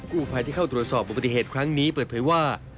กู้ภัยที่เข้าตรวจสอบประวัติเหตุครั้งนี้เปลือเพราะว่า